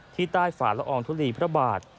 ที่ใต้ฝาละอองทุลีพระบาท